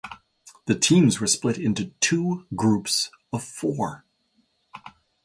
The teams were split into two groups of four.